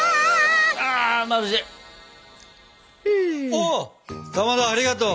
おかまどありがとう。